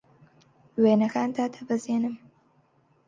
وێنەکان دادەبەزێنم.